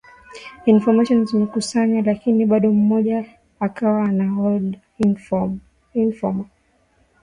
information zimekusanywa lakini bado mmoja akawa ana hold informa